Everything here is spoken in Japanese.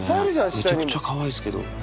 めちゃくちゃかわいいですけど。